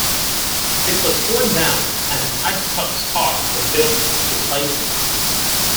It was torn down and Isotopes Park was built to replace it.